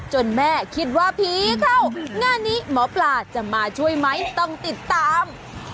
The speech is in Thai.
แม่คิดว่าผีเข้างานนี้หมอปลาจะมาช่วยไหมต้องติดตาม